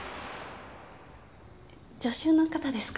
助手の方ですか？